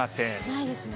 ないですね。